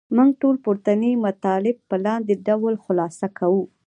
موږ ټول پورتني مطالب په لاندې ډول خلاصه کوو.